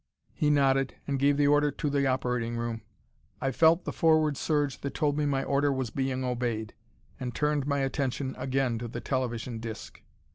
He nodded, and gave the order to the operating room; I felt the forward surge that told me my order was being obeyed, and turned my attention again to the television disc.